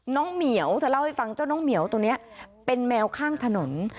เหมียวเธอเล่าให้ฟังเจ้าน้องเหมียวตัวนี้เป็นแมวข้างถนน